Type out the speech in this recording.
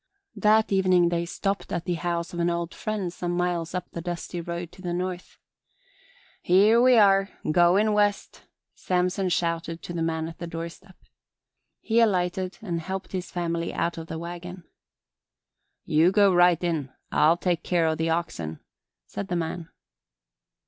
That evening they stopped at the house of an old friend some miles up the dusty road to the north. "Here we are goin' west," Samson shouted to the man at the doorstep. He alighted and helped his family out of the wagon. "You go right in I'll take care o' the oxen," said the man.